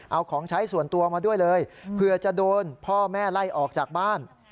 เอาของใช้ส่วนตัวมาด้วยเลยเผื่อจะโดนพ่อแม่ไล่ออกจากบ้าน